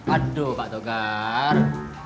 aduh pak tegar